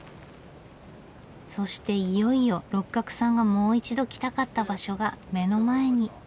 そしていよいよ六角さんがもう一度来たかった場所が目の前に。